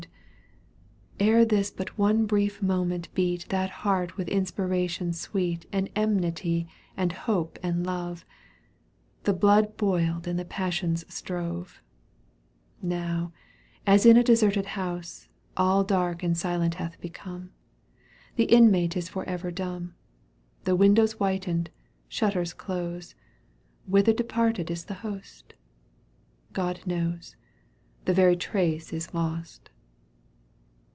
Digitized byCjOOQlC CANTO VL EUGENE ON^GUINE, 175 Ere this but one brief moment beat That heart with inspiration sweet And enmity and hope and love — The blood boiled and the passions strove. Now, as in a deserted house, All dark and silent hath become ; The inmate is for ever dumb, The windows whitened, shutters close — Whither departed is the host ? God knows ! The very trace is lost.